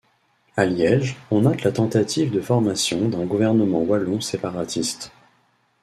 À Liège, on note la tentative de formation d'un gouvernement wallon séparatiste.